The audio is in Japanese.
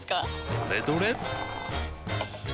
どれどれっ！